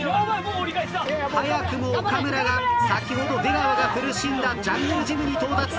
早くも岡村が先ほど出川が苦しんだジャングルジムに到達。